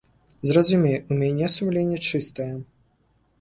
Зразумей, у мяне сумленне чыстае.